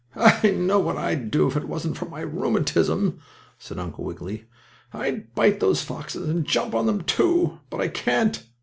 "I know what I'd do, if it wasn't for my rheumatism!" said Uncle Wiggily. "I'd bite those foxes, and jump on them, too, but I can't!